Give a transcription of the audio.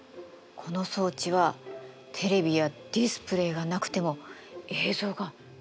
この装置はテレビやディスプレイがなくても映像が見えるらしいのよ。